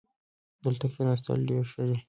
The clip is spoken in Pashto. دلته کښېناستل ډېر ښه دي.